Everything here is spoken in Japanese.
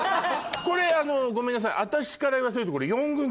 これごめんなさい。